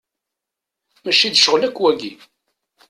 Mačči d ccɣel akk wagi.